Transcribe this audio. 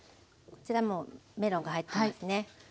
こちらもうメロンが入ってますね。